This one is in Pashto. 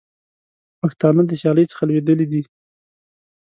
پښتانه د سیالۍ څخه لوېدلي دي.